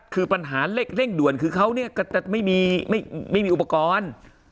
คือปัญหาเร่งด่วนคือเขาก็จะไม่มีอุปกรณ์